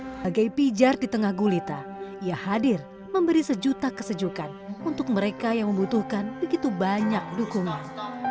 sebagai pijar di tengah gulita ia hadir memberi sejuta kesejukan untuk mereka yang membutuhkan begitu banyak dukungan